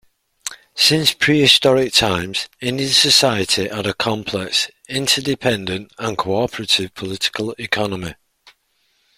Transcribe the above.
Since pre-historic times, Indian society had a complex, inter-dependent and cooperative political economy.